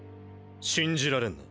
信じられんな。